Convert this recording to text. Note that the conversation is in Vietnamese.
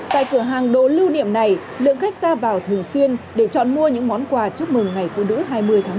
tại cửa hàng đồ lưu niệm này lượng khách ra vào thường xuyên để chọn mua những món quà chúc mừng ngày phụ nữ hai mươi tháng một mươi